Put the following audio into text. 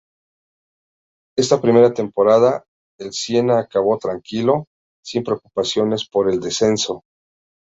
Esta primera temporada, el Siena acabó tranquilo, sin preocupaciones por el descenso.